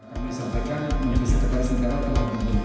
kami sampaikan menteri sekretaris negara telah mengundang